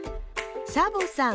サボさん